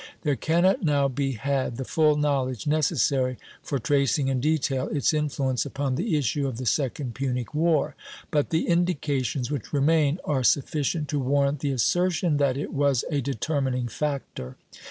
There cannot now be had the full knowledge necessary for tracing in detail its influence upon the issue of the second Punic War; but the indications which remain are sufficient to warrant the assertion that it was a determining factor.